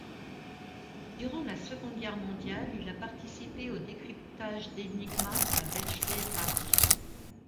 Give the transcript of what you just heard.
Durant la Seconde Guerre mondiale, il a participé au décryptage d'Enigma à Bletchley Park.